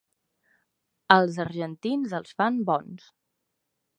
Els argentins els fan bons.